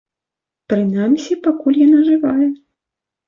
Прынамсі, пакуль яна жывая.